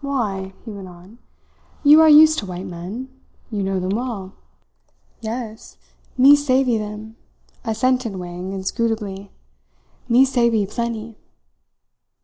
"Why?" he went on. "You are used to white men. You know them well." "Yes. Me savee them," assented Wang inscrutably. "Me savee plenty."